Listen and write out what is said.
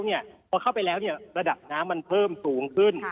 พอเข้าไปแล้วระดับน้ำมันเพิ่มสูงขึ้น